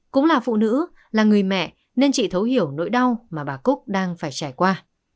cũng là phụ nữ là người mẹ nên chị thấu hiểu nỗi đau mà bà cúc đang phải trải qua